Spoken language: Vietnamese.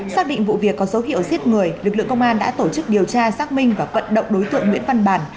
xác định vụ việc có dấu hiệu giết người lực lượng công an đã tổ chức điều tra xác minh và vận động đối tượng nguyễn văn bàn